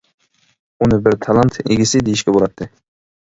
ئۇنى بىر تالانت ئىگىسى دېيىشكە بولاتتى.